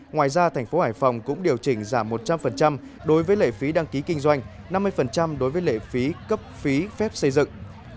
ngoài ra thành phố hải phòng cũng điều chỉnh giảm một trăm linh đối với lệ phí đăng ký kinh doanh năm mươi đối với lệ phí cấp phí phép xây dựng